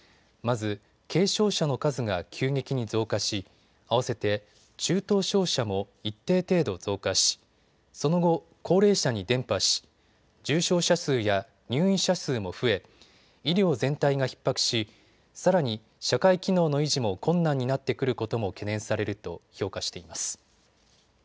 まず軽症者の数が急激に増加し併せて中等症者も一定程度増加しその後、高齢者に伝ぱし重症者数や入院者数も増え医療全体がひっ迫しさらに社会機能の維持も困難になってくることも懸念されると評価しています。